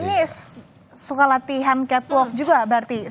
ini suka latihan catwalk juga berarti